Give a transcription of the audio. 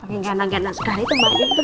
pake gana gana sekali tuh mbak andin